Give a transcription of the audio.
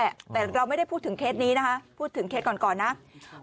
แล้วน้องป่วยเป็นเด็กออทิสติกของโรงเรียนศูนย์การเรียนรู้พอดีจังหวัดเชียงใหม่นะคะ